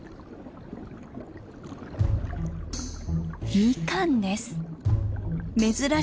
ミカンです。